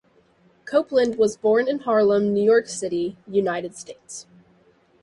Copeland was born in Harlem, New York City, United States.